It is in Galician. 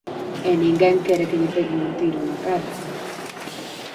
E ninguén quere que lle peguen un tiro na cara.